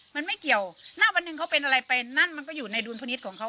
มันไม่เกี่ยวณวันหนึ่งเขาเป็นอะไรไปนั่นมันก็อยู่ในดุลพินิษฐ์ของเขา